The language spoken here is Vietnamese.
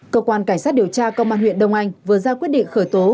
cơ quan cảnh sát điều tra công an huyện đông anh vừa ra quyết định khởi tố